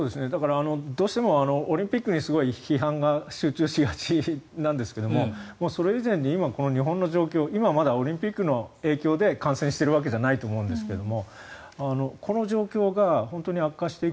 どうしてもオリンピックに批判が集中しがちなんですがそれ以前に今この日本の状況オリンピックの影響で感染しているわけじゃないと思うんですけれども。